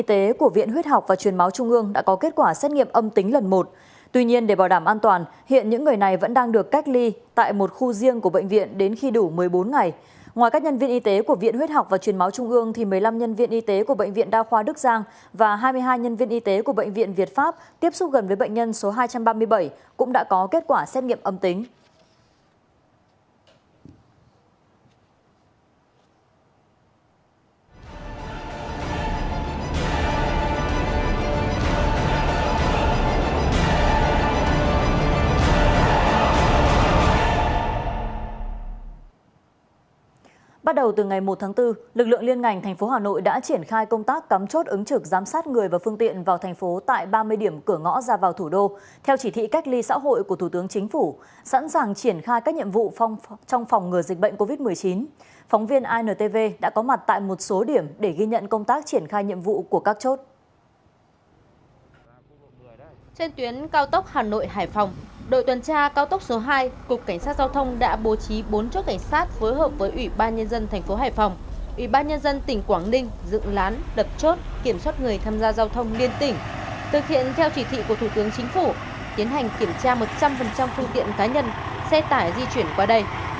trên tuyến cao tốc hà nội hải phòng đội tuần tra cao tốc số hai cục cảnh sát giao thông đã bố trí bốn chốt cảnh sát phối hợp với ủy ban nhân dân tp hải phòng ủy ban nhân dân tỉnh quảng ninh dựng lán đập chốt kiểm soát người tham gia giao thông liên tỉnh thực hiện theo chỉ thị của thủ tướng chính phủ tiến hành kiểm tra một trăm linh phương tiện cá nhân xe tải di chuyển qua đây